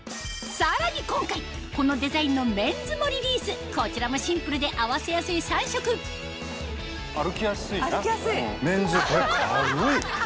さらに今回このデザインのメンズもリリースこちらもシンプルで合わせやすい３色歩きやすいなメンズこれ軽い！